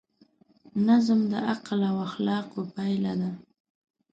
نظم د عقل او اخلاقو پایله ده.